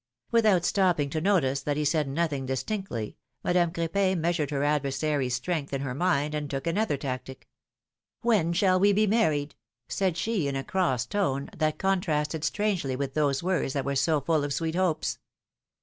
Without stopping to notice that he said nothing dis tinctly, Madame Crepin measured her adversary's strength in her mind, and took another tactic. When shall we be married ?" said she, in a cross tone, that contrasted strangely with those words that were so full of sweet hopes.